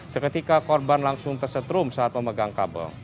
seketika korban langsung tersetrum saat memegang kabel